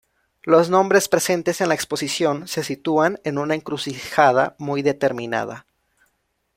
Los nombres presentes en la exposición se sitúan en una encrucijada muy determinada.